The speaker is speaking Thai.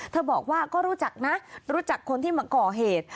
บอกว่าก็รู้จักนะรู้จักคนที่มาก่อเหตุ